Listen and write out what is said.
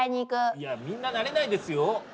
いやみんななれないですよ。